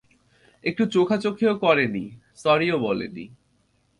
একটু চোখাচোখিও করেনি, সরিও বলেনি।